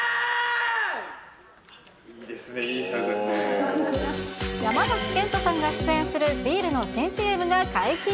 いいですね、いいシャウトで山崎賢人さんが出演するビールの新ＣＭが解禁。